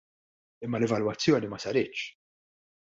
Imma l-evalwazzjoni ma saritx.